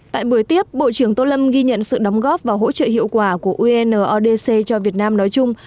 tại buổi tiếp bộ trưởng tô lâm ghi nhận sự đóng góp và hỗ trợ hiệu quả của unodc cho việt nam nói chung